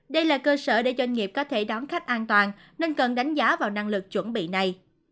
đây là cơ sở để doanh nghiệp có thể đón khách an toàn nên cần đánh giá vào năng lực chuẩn bị này